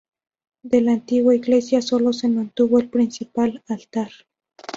De la antigua iglesia solo se mantuvo el principal altar.